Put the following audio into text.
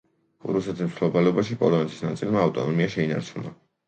რუსეთის მფლობელობაში პოლონეთის ნაწილმა ავტონომია შეინარჩუნა.